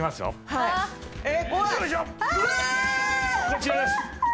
こちらです。